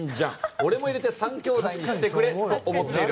俺も入れて３兄弟にしてくれと思っている。